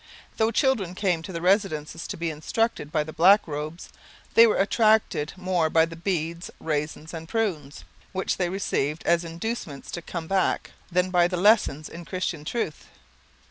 Though children came to the residence to be instructed by the black robes, they were attracted more by the 'beads, raisins, and prunes' which they received as inducements to come back than by the lessons in Christian truth.